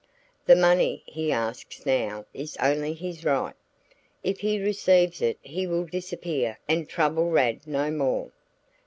The money he asks now is only his right. If he receives it he will disappear and trouble Rad no more.